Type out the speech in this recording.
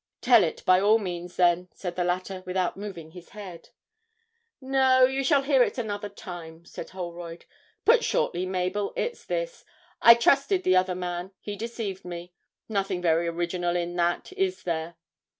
'Tell it by all means, then,' said the latter, without moving his head. 'No; you shall hear it another time,' said Holroyd. 'Put shortly, Mabel, it's this: I trusted the other man; he deceived me. Nothing very original in that, is there?'